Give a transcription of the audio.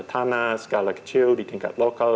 tanah skala kecil di tingkat lokal